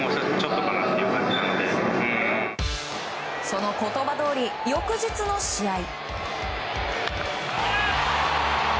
その言葉どおり翌日の試合。